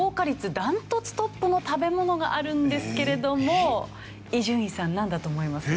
断トツトップの食べ物があるんですけれども伊集院さんなんだと思いますか？